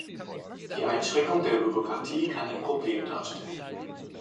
Die Einschränkung der Bürokratie kann ein Problem darstellen.